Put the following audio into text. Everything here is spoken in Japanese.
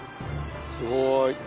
すごい。